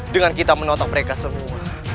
dengan kita menotop mereka semua